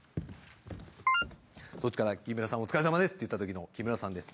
こっちから「木村さんお疲れ様です」って言った時の木村さんです。